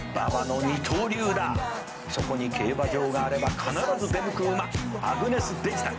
「そこに競馬場があれば必ず出向く馬アグネスデジタル」